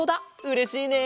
うれしいね。